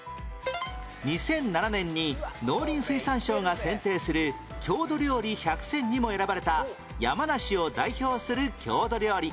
２００７年に農林水産省が選定する郷土料理百選にも選ばれた山梨を代表する郷土料理